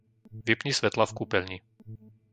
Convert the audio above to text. Vypni svetlá v kúpeľni.